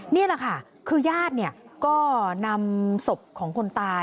นี่แหละค่ะคือญาติก็นำศพของคนตาย